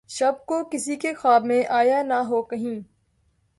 شب کو‘ کسی کے خواب میں آیا نہ ہو‘ کہیں!